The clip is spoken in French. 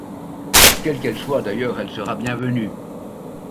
Quelle qu’elle soit, d’ailleurs, elle sera bien venue.